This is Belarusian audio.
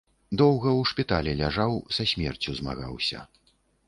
Доўга ў шпіталі ляжаў, са смерцю змагаўся.